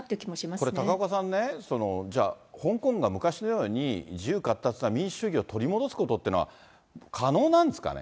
これ、高岡さんね、じゃあ、香港が昔のように自由かったつな民主主義を取り戻すことっていうのは、可能なんですかね。